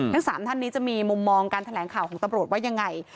ทั้ง๓ท่านนี้จะมีมุมมองการแถลงข่าวของตำรวจว่ายังไง